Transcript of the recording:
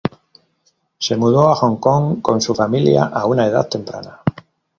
Se mudó a Hong Kong con su familia a una edad temprana.